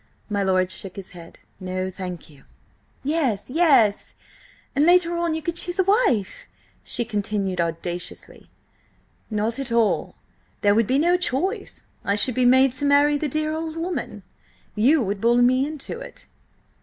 My lord shook his head. "No, thank you!" "Yes, yes! And later on you could choose a wife!" she continued audaciously. "Not at all. There would be no choice; I should be made to marry the dear old woman. You would bully me into it."